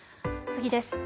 次です。